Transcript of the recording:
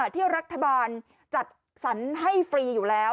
ที่รัฐบาลจัดสรรให้ฟรีอยู่แล้ว